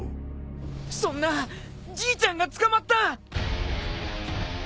そんなじいちゃんが捕まった！？